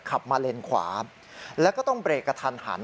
ขับมาเลนขวาแล้วก็ต้องเบรกกระทันหัน